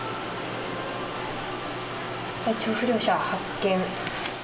体調不良者発見。